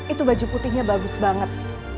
itu baju putihnya bagus banget